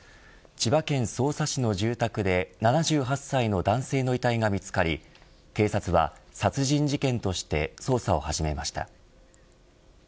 千葉県匝瑳市の住宅で７８歳の男性の遺体が見つかり警察は殺人事件として捜査を始めました。